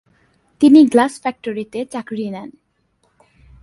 তিনি গ্লাস ফ্যাক্টরিতে চাকুরী নেন।